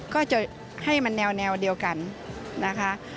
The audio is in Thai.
ก็จะให้มันแนวเดียวกันนะคะ